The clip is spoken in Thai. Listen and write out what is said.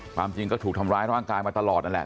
ความจริงก็ถูกทำร้ายร่างกายมาตลอดนั่นแหละ